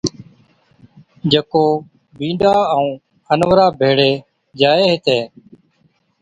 جڪو بِينڏا ائُون اَنورا ڀيڙي جائي ھِتين